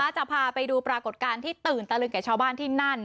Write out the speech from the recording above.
จะพาไปดูปรากฏการณ์ที่ตื่นตะลึงแก่ชาวบ้านที่นั่น